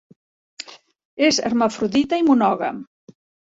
És hermafrodita i monògam.